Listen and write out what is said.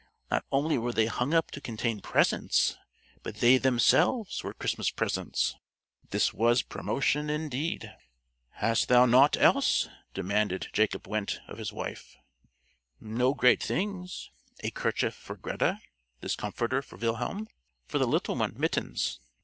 Not only were they hung up to contain presents, but they themselves were Christmas gifts! This was promotion indeed. "Hast thou naught else?" demanded Jacob Wendte of his wife. "No great things; a kerchief for Greta, this comforter for Wilhelm, for the little one, mittens.